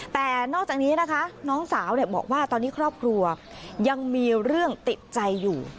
แต่นอกจากนี้นะคะน้องสาวบอกว่าตอนนี้ครอบครัวยังมีเรื่องติดใจอยู่